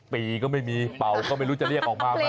ปีก็ไม่มีเป่าก็ไม่รู้จะเรียกออกมาไหม